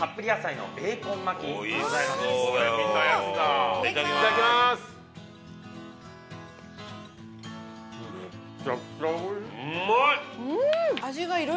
うまい！